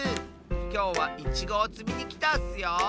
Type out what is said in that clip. きょうはイチゴをつみにきたッスよ！